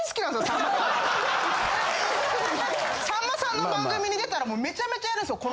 さんまさんの番組に出たらめちゃめちゃやるんですよ